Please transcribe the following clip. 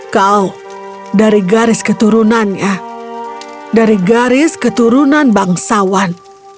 kau dari garis keturunannya dari garis keturunan bangsawan